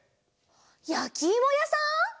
やきいもやさん！？